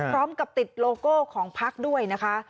พร้อมกับติดโลโก้ของพักด้วยนะคะ